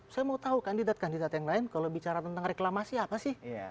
saya mau tahu kandidat kandidat yang lain kalau bicara tentang reklamasi apa sih